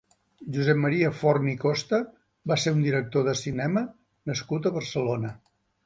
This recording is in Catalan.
Josep Maria Forn i Costa va ser un director de cinema nascut a Barcelona.